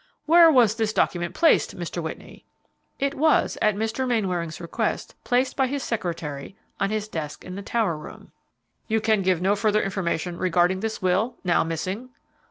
"Where was this document placed, Mr. Whitney?" "It was, at Mr. Mainwaring's request, placed by his secretary on his desk in the tower room." "You can give no further information regarding this will, now missing?"